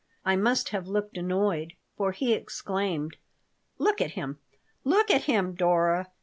I must have looked annoyed, for he exclaimed: "Look at him! Look at him, Dora!